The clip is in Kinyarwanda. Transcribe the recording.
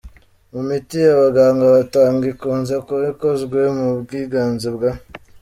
Mu miti abaganga batanga ikunze kuba ikozwe ku bwiganze bwa